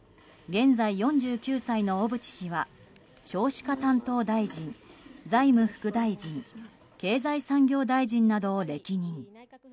現在４９歳の小渕氏は少子化担当大臣、財務副大臣経済産業大臣などを歴任。